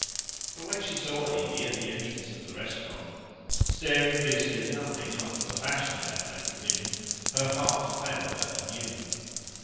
But when she saw Evie at the entrance of the restaurant, staring fiercely at nothing after the fashion of athletic women, her heart failed her anew.